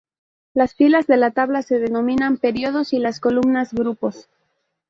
Las filas de la tabla se denominan períodos y las columnas grupos.